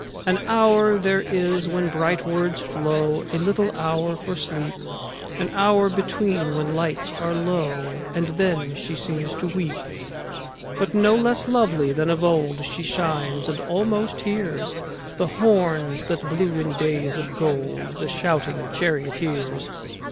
An hour there is when bright words flow, A little hour for sleep, An hour between, when lights are low, And then she seems to weep, But no less lovely than of old She shines, and almost hears The horns that blew in days of gold, The shouting charioteers.